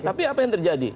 tapi apa yang terjadi